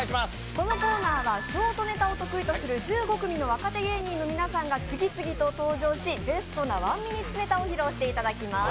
このコーナーはショートネタを得意とする１５組の若手芸人の皆さんが次々と登場しベストなワンミニッツネタを披露していただきます